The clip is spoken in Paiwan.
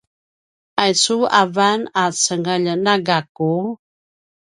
aicu avan a cengelj na gaku?